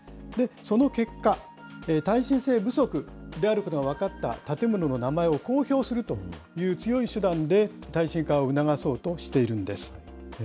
その結果、耐震性不足であることが分かった建物の名前を公表するという強い手段で耐震化を促そうとしているんです。